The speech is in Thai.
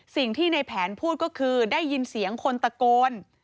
สิ่งที่ในแผนพูดก็คือได้ยินเสียงคนตะโกน